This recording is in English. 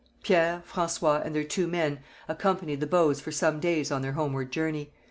Pierre, François, and their two men accompanied the Bows for some days on their homeward journey.